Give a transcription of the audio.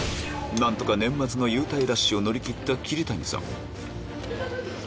何とか年末の優待ラッシュを乗り切った桐谷さん